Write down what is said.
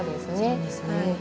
そうですねはい。